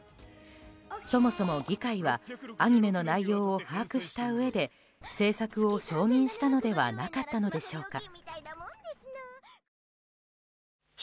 そもそも議会はアニメの内容を把握したうえで制作を承認したのではなかったのでしょうか。